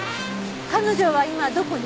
彼女は今どこに？